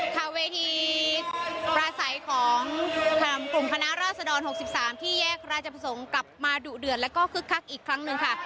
ค่ะเวทีปราศัยของกลุ่มคณะราษฎร๖๓ที่แยกราชประสงค์กลับมาดุเดือดแล้วก็คึกคักอีกครั้งหนึ่งค่ะ